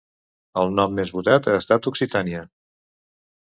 El nom més votat ha estat Occitània.